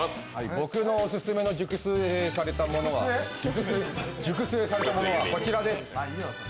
僕のオススメの熟成されたものはこちらです。